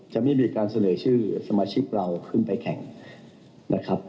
จะไม่มีการเสนอชื่อสมาชิกเราขึ้นไปแข่งนะครับ